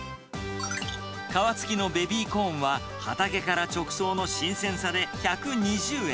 皮付きのベビーコーンは、畑から直送の新鮮さで１２０円。